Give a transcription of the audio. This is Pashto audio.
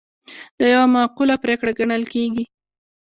دا یوه معقوله پرېکړه ګڼل کیږي.